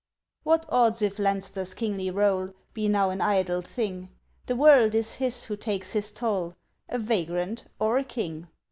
What odds if Leinster's kingly roll Be now an idle thing? The world is his who takes his toll, A vagrant or a king.